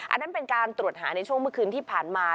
อันนั้นเป็นการตรวจหาในช่วงเมื่อคืนที่ผ่านมา